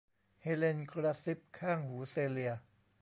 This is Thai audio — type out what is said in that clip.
เฮเลนกระซิบข้างหูเซเลีย